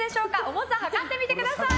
重さを量ってみてください。